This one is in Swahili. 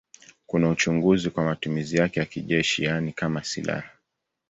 Kuna uchunguzi kwa matumizi yake ya kijeshi, yaani kama silaha.